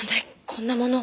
こんなもの。